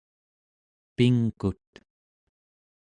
pingkut